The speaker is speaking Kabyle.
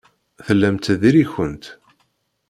Tellamt diri-kent.